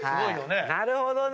なるほどね！